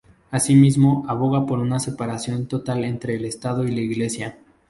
Asimismo, aboga por una separación total entre el Estado y la Iglesia.